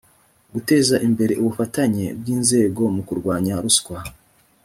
guteza imbere ubufatanye bw inzego mu kurwanya ruswa